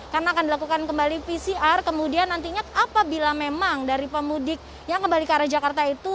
karena akan dilakukan kembali pcr kemudian nantinya apabila memang dari pemudik yang kembali ke arah jakarta itu